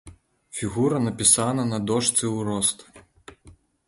Фігура напісана на дошцы ў рост.